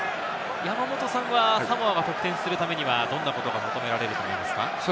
山本さんはサモアが得点するためにはどんなことが求められると思いますか？